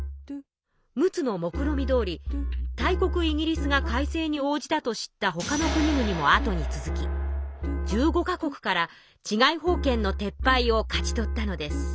陸奥のもくろみどおり大国イギリスが改正に応じたと知ったほかの国々も後に続き１５か国から治外法権の撤廃を勝ち取ったのです。